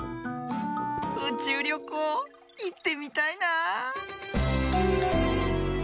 うちゅうりょこういってみたいな。